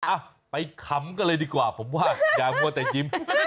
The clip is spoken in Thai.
อ้าวไปค้ำกันเลยดีกว่าผมว่าอย่าพูดแต่จิ๊ม